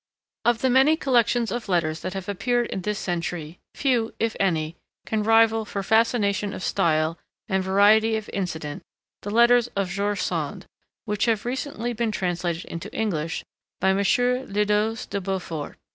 Of the many collections of letters that have appeared in this century few, if any, can rival for fascination of style and variety of incident the letters of George Sand which have recently been translated into English by M. Ledos de Beaufort.